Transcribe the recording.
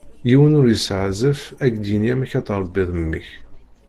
Yiwen ur yesεa azref ad k-d-yini amek ara tṛebbiḍ mmi-k.